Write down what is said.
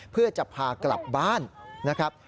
เพื่อจะพากลับบ้านนะครับ